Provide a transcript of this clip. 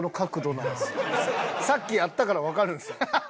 さっきやったからわかるんですよ。